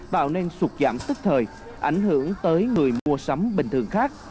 tạo nên sụt giảm tức thời ảnh hưởng tới người mua sắm bình thường khác